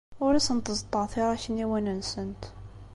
Ur asent-ẓeṭṭeɣ tiṛakniwin-nsent.